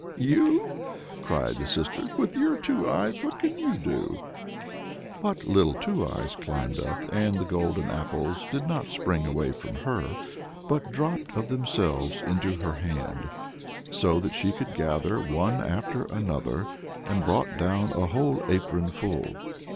"You!" cried the sisters. "With your two eyes, what can you do?" But Little Two Eyes climbed up and the golden apples did not spring away from her, but dropped of themselves into her hand, so that she could gather one after the other, and brought down a whole apron full.